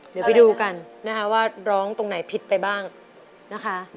เดี๋ยวไปดูกันนะคะว่าร้องตรงไหนผิดไปบ้างนะคะ